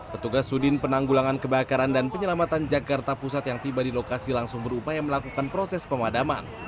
petugas sudin penanggulangan kebakaran dan penyelamatan jakarta pusat yang tiba di lokasi langsung berupaya melakukan proses pemadaman